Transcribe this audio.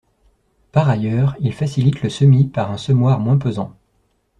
Par ailleurs, il facilite le semis par un semoir moins pesant.